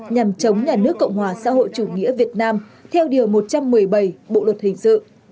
nhằm chống nhà nước cộng hòa xã hội chủ nghĩa việt nam theo điều một trăm một mươi bảy bộ luật hình sự